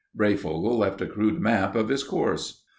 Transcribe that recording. Breyfogle left a crude map of his course.